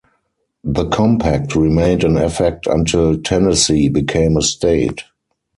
The compact remained in effect until Tennessee became a state.